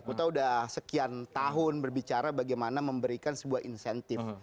kita sudah sekian tahun berbicara bagaimana memberikan sebuah insentif